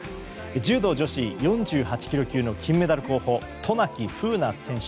柔道女子４８ｋｇ級の金メダル候補、渡名喜風南選手。